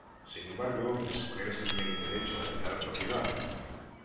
Sin embargo, las mujeres tenían el derecho a heredar propiedad.